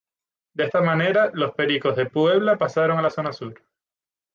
De esta manera, los Pericos de Puebla pasaron a la Zona Sur.